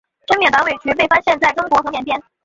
滇缅短尾鼩被发现在中国和缅甸。